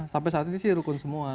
sampai saat ini sih rukun semua